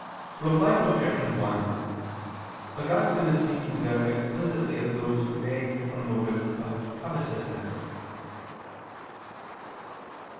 Reply Obj. 1: Augustine is speaking there explicitly of those who beg from motives of covetousness.